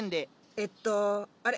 えっとあれ？